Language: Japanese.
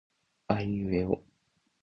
足利尊氏